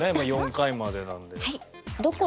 ４回までなので。